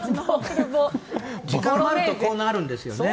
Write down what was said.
時間があるとこうなるんですよね。